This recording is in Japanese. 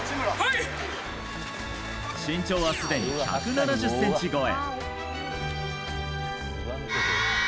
身長はすでに１７０ｃｍ超え！